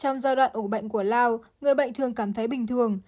trong giai đoạn ủ bệnh của lao người bệnh thường cảm thấy bình thường